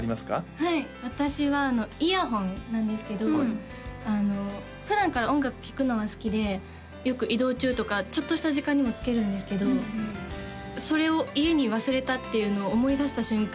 はい私はイヤホンなんですけど普段から音楽聴くのは好きでよく移動中とかちょっとした時間にも着けるんですけどそれを家に忘れたっていうのを思い出した瞬間